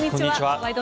「ワイド！